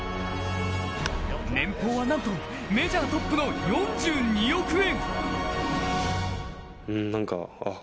年俸はなんと、メジャートップの４２億円。